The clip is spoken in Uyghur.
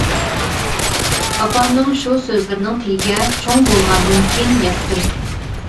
ئاپامنىڭ شۇ سۆزلىرىنىڭ تېگىگە چوڭ بولغاندىن كېيىن يەتتىم.